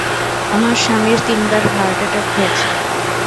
আমার স্বামীর তিনবার হার্ট এটাক হয়েছে।